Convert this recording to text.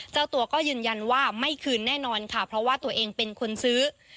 เจ้าตัวก็ยืนยันว่าไม่คืนแน่นอนค่ะเพราะว่าตัวเองเป็นคนซื้อ